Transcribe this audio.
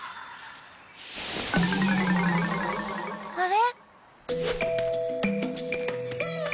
あれ？